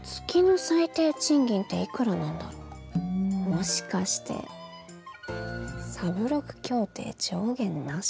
もしかして３６協定上限なし。